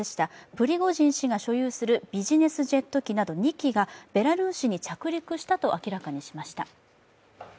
プリゴジン氏が所有するビジネスジェット機２機などが、ベラルーシに着陸したと明らかにしました。